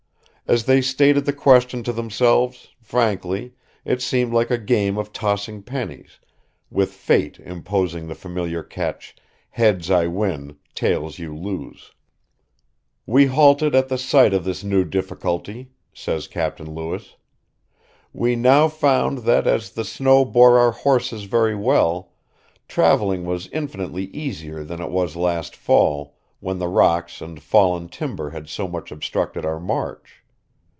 As they stated the question to themselves, frankly, it seemed like a game of tossing pennies, with Fate imposing the familiar catch, "Heads, I win; tails, you lose." "We halted at the sight of this new difficulty," says Captain Lewis. "... We now found that as the snow bore our horses very well, traveling was infinitely easier than it was last fall, when the rocks and fallen timber had so much obstructed our march."